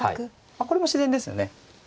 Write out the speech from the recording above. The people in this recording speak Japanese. これも自然ですね。